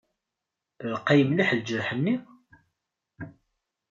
Lqay mliḥ ljerḥ-nni?